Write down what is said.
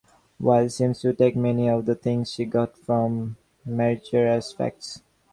Wild seems to take many of the things she got from Marechera as facts.